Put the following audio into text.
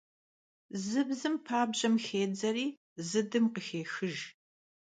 Zıbzım pabjem xêdzeri zıdım khıxêxıjj.